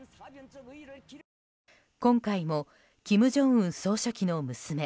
今回も金正恩総書記の娘